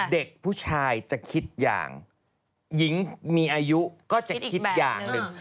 เด็กผู้ชายจะคิดอย่างหญิงมีอายุก็จะคิดอย่างหนึ่ง